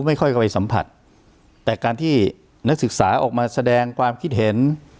ไม่ค่อยเข้าไปสัมผัสแต่การที่นักศึกษาออกมาแสดงความคิดเห็น